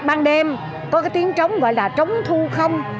ban đêm có cái tiếng trống gọi là trống thu không